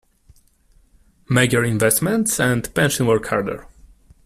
Make your investments and pension work harder.